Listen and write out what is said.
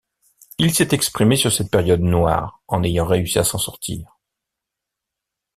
Il s'est exprimé sur cette période noire en ayant réussi à s'en sortir.